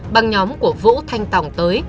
băng nhóm của vũ thanh tòng tới